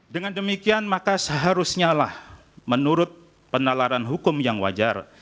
dengan demikian maka seharusnyalah menurut penalaran hukum yang wajar